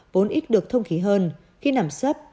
vốn ít được thông khí hơn khi nằm sấp